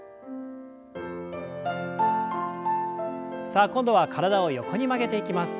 さあ今度は体を横に曲げていきます。